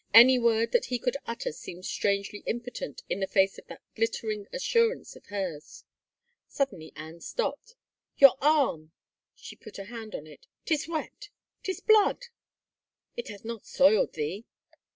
Any word that he could utter seemed strangely impotent in the face of that glittering assurance of hers. Suddenly Anne stopped. " Your arm I " She put a hand on it. " 'Tis wet — 'tis blood !"" It hath not soiled thee